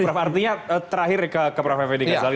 prof artinya terakhir ke prof effendi ghazali